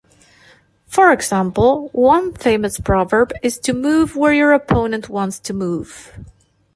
For example, one famous proverb is to move where your opponent wants to move.